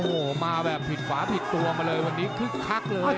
โอ้โหมาแบบผิดฝาผิดตัวมาเลยวันนี้คึกคักเลย